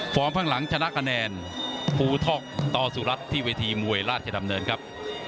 ข้างหลังชนะคะแนนภูท็อกต่อสุรัตน์ที่เวทีมวยราชดำเนินครับ